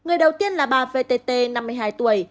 người đầu tiên là bà vtt năm mươi hai tuổi